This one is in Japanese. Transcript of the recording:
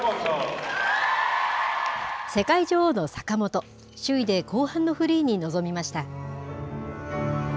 世界女王の坂本、首位で後半のフリーに臨みました。